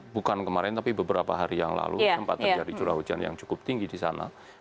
bukan kemarin tapi beberapa hari yang lalu sempat terjadi curah hujan yang cukup tinggi di sana